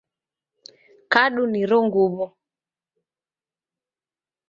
Kadu niro ng uw'o.